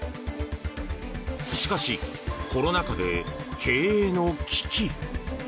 しかし、コロナ禍で経営の危機。